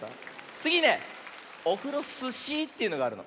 つぎね「オフロスシー」というのがあるの。